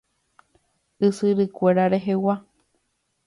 Ysyrykuéra rehegua.